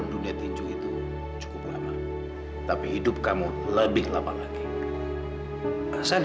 bisa di tanpa moreover study